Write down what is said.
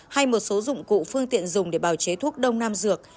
hay một số dụng cụ phương tiện dùng để bào chế thuốc đông nam dược